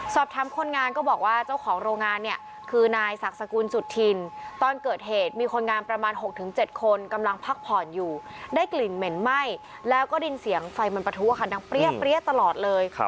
คนงานก็บอกว่าเจ้าของโรงงานเนี่ยคือนายศักดิ์สกุลสุธินตอนเกิดเหตุมีคนงานประมาณ๖๗คนกำลังพักผ่อนอยู่ได้กลิ่นเหม็นไหม้แล้วก็ดินเสียงไฟมันประทุค่ะดังเปรี้ยตลอดเลย